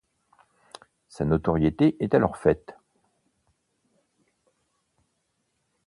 Sa notoriété est alors faite.